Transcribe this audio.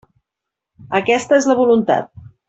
Aquesta és la voluntat.